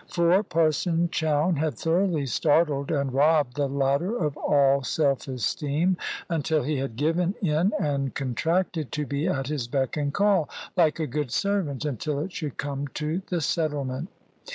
For Parson Chowne had thoroughly startled and robbed the latter of all self esteem, until he had given in, and contracted to be at his beck and call (like a good servant) until it should come to the settlement.